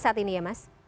saat ini ya mas